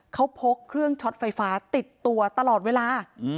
เขาพกเครื่องช็อตไฟฟ้าติดตัวตลอดเวลา